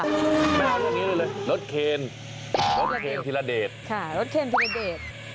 ไม่เอาเรื่องนี้เลยรถเคนรถเคนฮิระเดช